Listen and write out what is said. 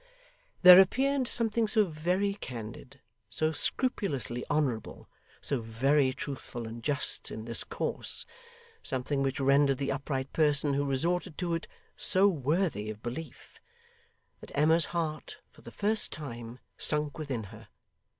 There appeared something so very candid, so scrupulously honourable, so very truthful and just in this course something which rendered the upright person who resorted to it, so worthy of belief that Emma's heart, for the first time, sunk within her.